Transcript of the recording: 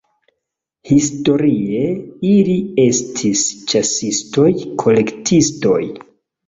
Historie ili estis ĉasistoj-kolektistoj.